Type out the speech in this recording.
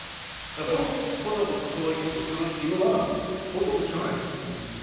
だからそのこそこそそういう事するっていう噂もほとんど聞かないですもん。